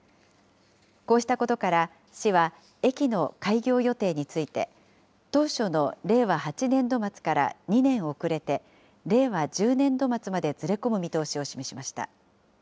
こうしたことから、市は駅の開業予定について、当初の令和８年度末から２年遅れて、令和１０年度末までずれ込む見通しを示しました。